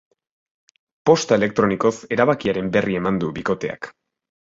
Posta elektronikoz erabakiaren berri eman du bikoteak.